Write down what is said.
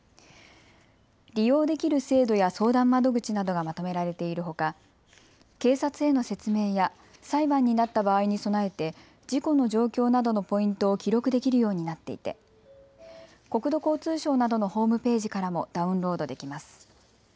利用できる制度や相談窓口などがまとめられているほか警察への説明や裁判になった場合に備えて事故の状況などのポイントを記録できるようになっていて国土交通省などのホームページからもダウンロードできます。